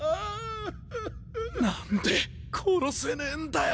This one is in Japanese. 何で殺せねえんだよ。